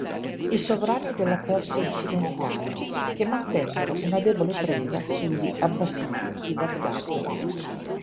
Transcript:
I sovrani della Persia occidentale, che mantennero una debole presa sugli Abbasidi di Baghdad.